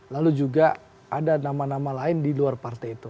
lalu juga ada nama nama lain di luar partai itu